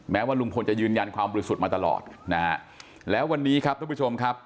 ว่าลุงพลจะยืนยันความบริสุทธิ์มาตลอดนะฮะแล้ววันนี้ครับทุกผู้ชมครับ